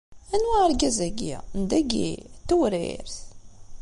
Anwa argaz-agi? N dagi? N Tewrirt?